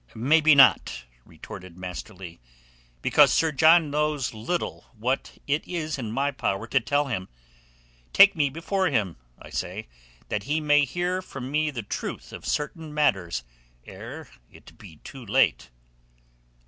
"Maybe not," retorted Master Leigh, "because Sir John little knows what it is in my power to tell him. Take me before him, I say, that he may hear from me the truth of certain matters ere it be too late."